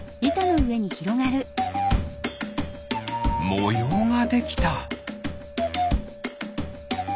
もようができた。